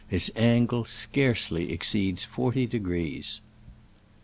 Its angle scarcely exceeds forty degrees.